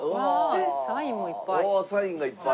サインもいっぱい。